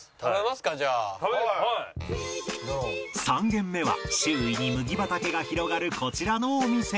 ３軒目は周囲に麦畑が広がるこちらのお店